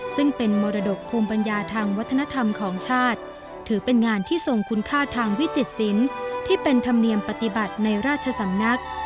ซึ่งเป็นมรดกภูมิปัญญาทางวัฒนธรรมของชาติถือเป็นงานที่ทรงคุณค่าทางวิจิตศิลป์ที่เป็นธรรมเนียมปฏิบัติในราชสำนัก